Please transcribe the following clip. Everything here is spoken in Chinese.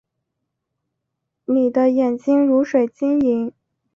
你的眼神如水晶莹